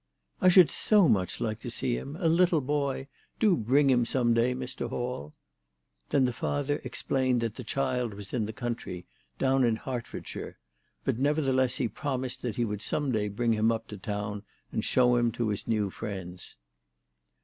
" I should so like to see him. A little boy ! Do bring him some day, Mr. Hall." Then the father explained that the child was in the country, down in Hertfordshire ; but nevertheless he promised that he would some day bring him up to town and show him to his new friends.